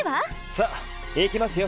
さあ行きますよ